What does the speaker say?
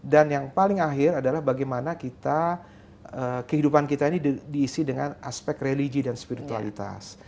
dan yang paling akhir adalah bagaimana kita kehidupan kita ini diisi dengan aspek religi dan spiritualitas